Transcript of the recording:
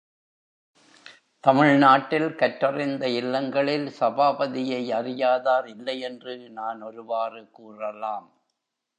தமிழ்நாட்டில், கற்றறிந்த இல்லங்களில் சபாபதியை அறியாதார் இல்லையென்று நான் ஒருவாறு கூறலாம்.